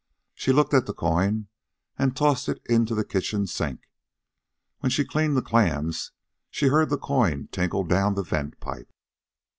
She looked at the coin and tossed it into the kitchen sink. When she cleaned the clams, she heard the coin tinkle down the vent pipe.